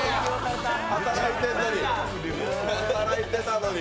働いてるのに！